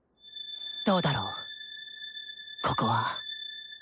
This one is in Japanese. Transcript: どうだろうここは。